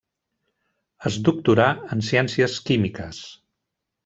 Es doctorà en Ciències Químiques.